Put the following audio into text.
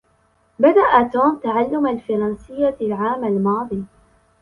بدء توم تعلم الفرنسية العام الماضي.